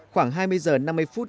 khoảng hai mươi h năm mươi phút